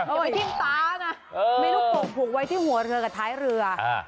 โดยทิ้มตานะไม่รู้โป่งผูกไว้ที่หัวเรือกับท้ายเรือ